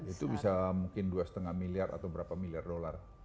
itu bisa mungkin dua lima miliar atau berapa miliar dolar